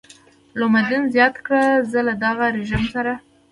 لومدین زیاته کړه زه له دغه رژیم سره.